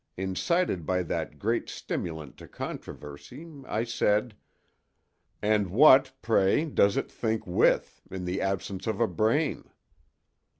Incited by that great stimulant to controversy, I said: "And what, pray, does it think with—in the absence of a brain?"